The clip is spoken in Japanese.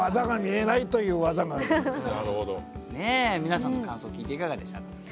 皆さんの感想聞いていかがでしたか？